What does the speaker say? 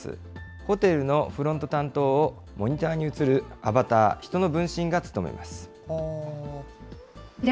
ホテルのフロント担当を、モニターに映るアバター・人の分身が務めます。